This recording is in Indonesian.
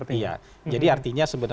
iya jadi artinya sebenarnya